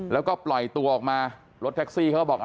แล้วก็ปล่อยตัวออกมารถแท็กซี่เขาก็บอก